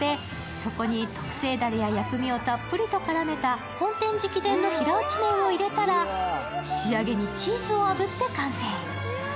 そこに特製だれや薬味をたっぷりと絡めた本店直伝の平打ち麺をのせたら仕上げにチーズをあぶって完成。